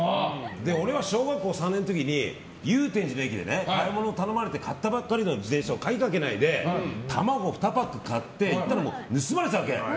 俺は小学校３年の時に祐天寺の駅で買い物を頼まれて買ってもらったばっかりの自転車を置いて卵を買いに行ったら、盗まれてたわけ。